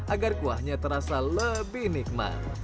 agar kuahnya terasa lebih nikmat